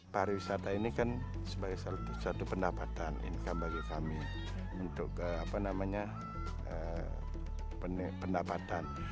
pariwisata ini kan sebagai satu pendapatan income bagi kami untuk pendapatan